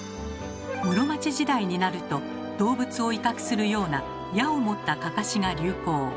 室町時代になると動物を威嚇するような矢を持ったかかしが流行。